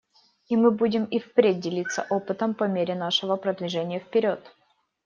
И мы будем и впредь делиться опытом по мере нашего продвижения вперед.